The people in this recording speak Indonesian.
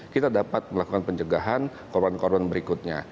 kita dapat melakukan pencegahan korban korban berikutnya